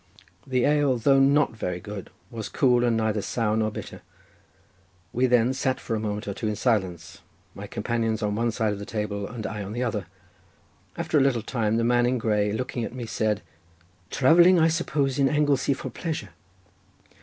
The ale, though not very good, was cool and neither sour nor bitter; we then sat for a moment or two in silence, my companions on one side of the table, and I on the other. After a little time the man in grey looking at me said: "Travelling I suppose in Anglesey for pleasure?"